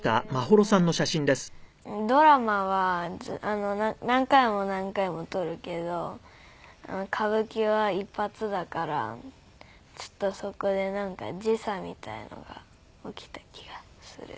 ドラマは何回も何回も撮るけど歌舞伎は一発だからちょっとそこでなんか時差みたいなのが起きた気がする。